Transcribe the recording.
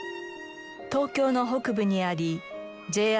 東京の北部にありＪＲ